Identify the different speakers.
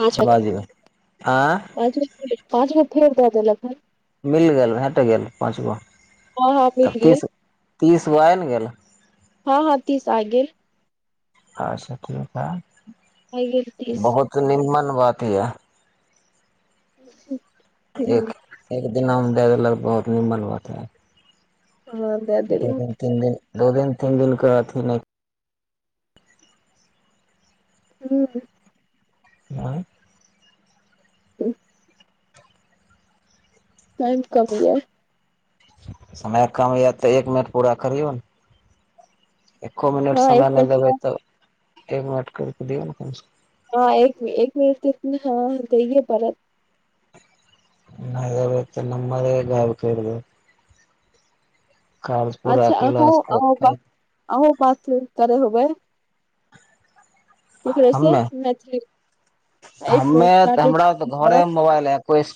Speaker 1: पाँचच
Speaker 2: बाजू आ
Speaker 1: ठीक द देल लन
Speaker 2: मिल गेल भेट गेल पाँच गो
Speaker 1: हँ हँ
Speaker 2: तऽ
Speaker 1: मिल गेल
Speaker 2: तीस तीस गो आ ने गेल
Speaker 1: हँ हँ ती स आे
Speaker 2: अच्छा ठीक
Speaker 1: आ गेल
Speaker 2: हइ
Speaker 1: तीस
Speaker 2: बहुत निर््मण बात हऽ
Speaker 1: ह
Speaker 2: एक एक दना दे देलक बहुत निमबल बत है
Speaker 1: हँ अे अ
Speaker 2: दू दिन तीन दिन दू दिन तीन दिनके अथी नहि
Speaker 1: हँ
Speaker 2: आँ
Speaker 1: त टाइम कमी ह
Speaker 2: समय कम याद तऽ एक मिनट पूरा करौ ने एक्को मिनट
Speaker 1: हँ एक
Speaker 2: समय नहि
Speaker 1: मिनट
Speaker 2: देबै तऽ एक मिनट करके दियौ ने कम से कम
Speaker 1: हँ एक एक मििनट हँ दइए परत
Speaker 2: नहिे ब त न मरे ग क काल पूरा केल क
Speaker 1: आ बात करे होबै केकरो से
Speaker 2: हमे
Speaker 1: मैथिली एक
Speaker 2: हमे
Speaker 1: मिनट काटै
Speaker 2: हमरा
Speaker 1: छी
Speaker 2: घरे मे मोबाइल है को